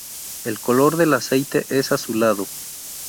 El color del aceite es azulado.